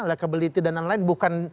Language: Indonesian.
electability dan lain lain bukan